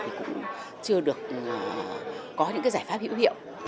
thì cũng chưa được có những cái giải pháp hữu hiệu